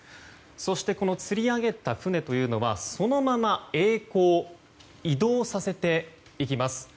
そしてこのつり上げた船というのはそのまま曳航移動させていきます。